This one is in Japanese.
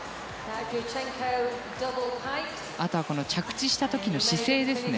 あとは着地した時の姿勢ですね。